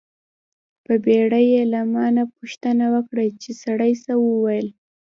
په بیړه یې له ما نه پوښتنه وکړه چې سړي څه و ویل.